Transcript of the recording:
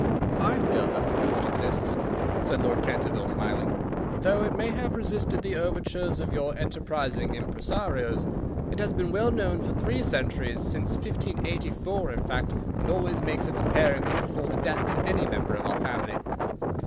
"I fear that the ghost exists," said Lord Canterville, smiling, "though it may have resisted the overtures of your enterprising impresarios. It has been well known for three centuries, since 1584 in fact, and always makes its appearance before the death of any member of our family."